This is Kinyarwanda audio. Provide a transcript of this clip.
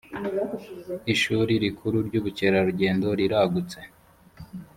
ishuri rikuru ry’ ubukerarugendo riragutse.